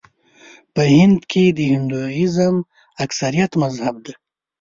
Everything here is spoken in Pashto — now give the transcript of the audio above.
په هند کې د هندويزم اکثریت مذهب دی.